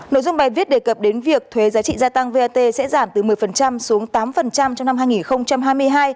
nội dung bài viết đề cập đến việc thuế giá trị gia tăng vat sẽ giảm từ một mươi xuống tám trong năm hai nghìn hai mươi hai